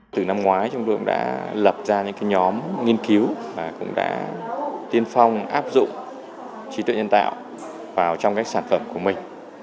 từ năm ngoái chúng tôi cũng đã lập ra những nhóm nghiên cứu và cũng đã tiên phong áp dụng trí tuệ nhân tạo vào trong các sản phẩm của mình